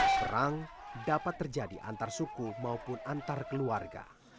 serang dapat terjadi antar suku maupun antar keluarga